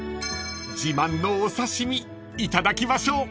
［自慢のお刺し身いただきましょう］